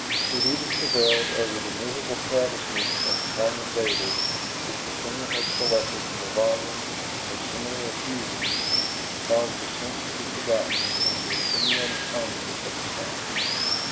It even prevailed over the miserable travesty of the song of David which the singer had selected from a volume of similar effusions, and caused the sense to be forgotten in the insinuating harmony of the sounds.